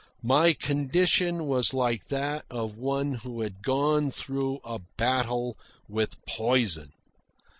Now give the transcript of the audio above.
My condition was like that of one who had gone through a battle with poison.